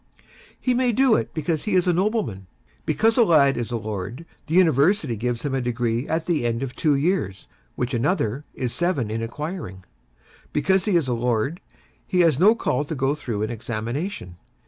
He may do it because he is a nobleman. Because a lad is a lord, the University gives him a degree at the end of two years which another is seven in acquiring. Because he is a lord, he has no call to go through an examination.